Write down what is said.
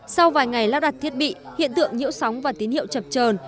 sau vài ngày lắp đặt thiết bị hiện tượng nhiễu sóng và tín hiệu chập trờn